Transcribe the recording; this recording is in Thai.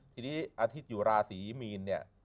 ทีนี้อาทิตยุราษีมีนเนี่ย